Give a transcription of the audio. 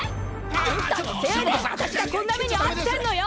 アンタのせいで私がこんな目に遭ってんのよ！